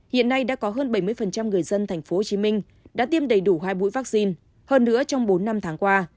hiện nay đã có hơn bảy mươi người dân tp hcm đã tiêm đầy đủ hai mũi vaccine hơn nữa trong bốn năm tháng qua